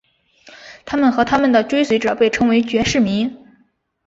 他们和他们的追随者被称为爵士迷。